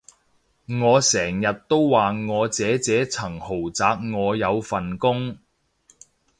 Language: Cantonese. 我成日都話我姐姐層豪宅我有份供